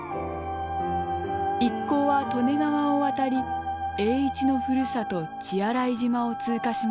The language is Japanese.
一行は利根川を渡り栄一のふるさと血洗島を通過しました。